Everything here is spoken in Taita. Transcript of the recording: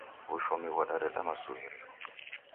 Wushomi ghwadareda masuw'irio